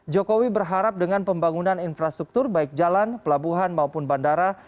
jokowi berharap dengan pembangunan infrastruktur baik jalan pelabuhan maupun bandara